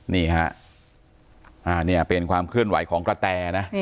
นี่ฮะนี่เป็นความเคลื่อนไหวของกระแตนะ